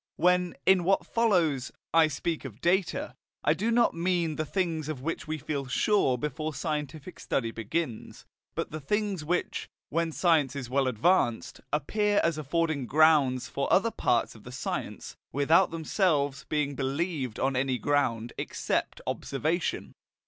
When, in what follows, I speak of data, I do not mean the things of which we feel sure before scientific study begins, but the things which, when a science is well advanced, appear as affording grounds for other parts of the science, without themselves being believed on any ground except observation.